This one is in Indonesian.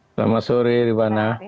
selamat sore ribana